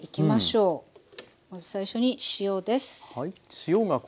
まず最初に塩です。